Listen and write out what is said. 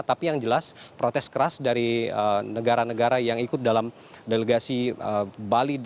tapi yang jelas protes keras dari negara negara yang ikut dalam delegasi bali